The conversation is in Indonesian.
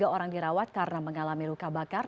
dua puluh tiga orang dirawat karena mengalami luka bakar